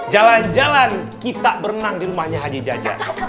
jalan jalan kita berenang di rumahnya haji jaja